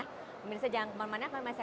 pemirsa jangan kemana mana